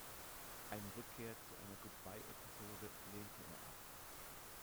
Eine Rückkehr zu einer "Goodbye Episode" lehnte er ab.